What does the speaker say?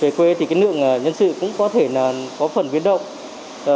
về quê thì cái lượng nhân sự cũng có thể là có phần biến động